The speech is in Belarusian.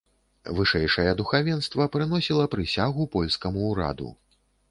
Вышэйшае духавенства прыносіла прысягу польскаму ўраду.